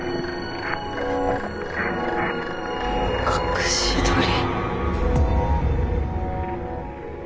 隠し撮り？